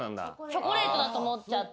チョコレートだと思っちゃった。